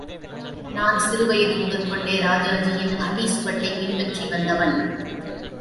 நான் சிறுவயது முதற்கொண்டே ராஜாஜியின் அடிச்சுவட்டைப் பின்பற்றி வந்தவன்.